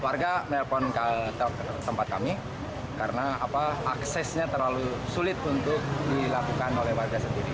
warga nelpon ke tempat kami karena aksesnya terlalu sulit untuk dilakukan oleh warga sendiri